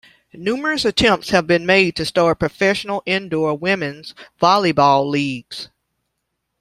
Numerous attempts have been made to start professional indoor women's volleyball leagues.